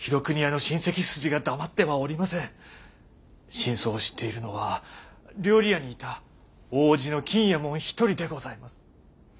真相を知っているのは料理屋にいた大叔父の金右衛門一人でございます。